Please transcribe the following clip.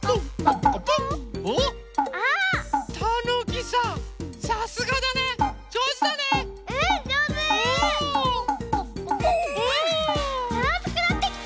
あつくなってきた！